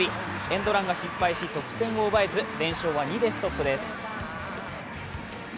エンドランが失敗し得点を奪えず、連勝は２でストップです。